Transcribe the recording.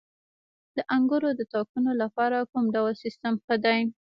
د انګورو د تاکونو لپاره کوم ډول سیستم ښه دی؟